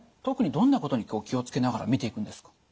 特にどんなことに気を付けながら見ていくんですか？